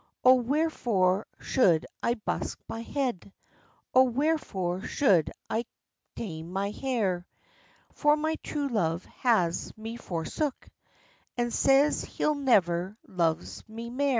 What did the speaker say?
O wherefore should I busk my head, O wherefore should I kame my hair, For my true love has me forsook, And says he'll never love me mair.